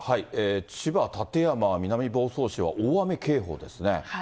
千葉・館山、南房総市は、大雨警報ですね。